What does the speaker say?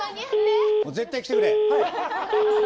絶対来てくれ！